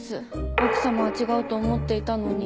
奥様は違うと思っていたのに。